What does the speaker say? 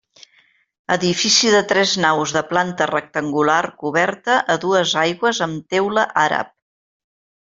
Edifici de tres naus de planta rectangular coberta a dues aigües amb teula àrab.